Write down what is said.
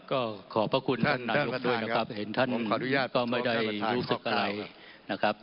ก็ขอบพระคุณท่านนายกด้วยนะครับเห็นท่านขออนุญาตก็ไม่ได้รู้สึกอะไรนะครับ